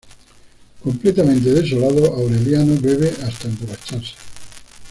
Completamente desolado, Aureliano bebe hasta emborracharse.